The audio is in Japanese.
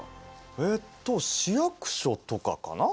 えと市役所とかかな？